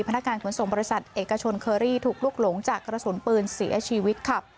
พนักงานขนส่งบริษัทเอกชนเคอรี่ถูกลุกหลงจากกระสุนปืนเสียชีวิตค่ะ